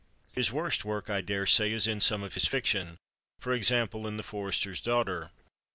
His worst work, I daresay, is in some of his fiction—for example, in "The Forester's Daughter."